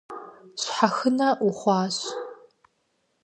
Щхьэхынэ ухъуащ.